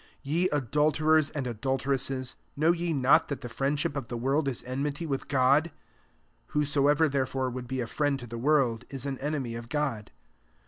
4 Ye adulterers and adulteres ses, know ye not that the friend ship of the world is enmity with God? Whosoever therefore would be a friend to the world, is an enemy of God.